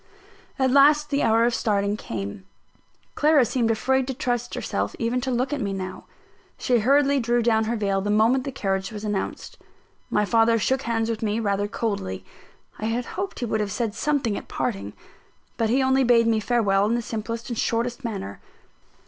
At last the hour of starting came. Clara seemed afraid to trust herself even to look at me now. She hurriedly drew down her veil the moment the carriage was announced. My father shook hands with me rather coldly. I had hoped he would have said something at parting; but he only bade me farewell in the simplest and shortest manner.